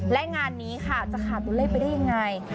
และงานนี้ค่ะจะขาดตัวเลขไปได้ยังไง